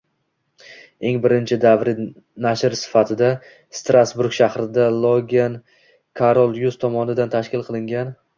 Eng birinchi davriy nashr sifatida Strasburg shahrida Iogann Karolyus tomonidan tashkil qilingan